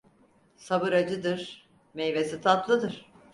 Sabır acıdır, meyvesi tatlıdır.